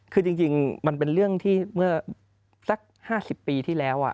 คือจริงมันเป็นเรื่องที่เมื่อสัก๕๐ปีที่แล้ว